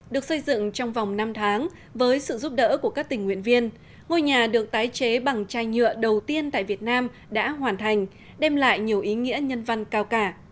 được xây dựng trong vòng năm tháng với sự giúp đỡ của các tình nguyện viên ngôi nhà được tái chế bằng chai nhựa đầu tiên tại việt nam đã hoàn thành đem lại nhiều ý nghĩa nhân văn cao cả